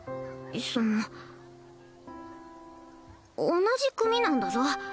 その同じ組なんだぞ